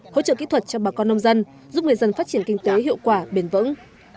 hỗ trợ kỹ thuật cho bà con nông dân giúp người dân phát triển kinh tế hiệu quả bền vững